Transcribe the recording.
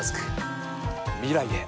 未来へ。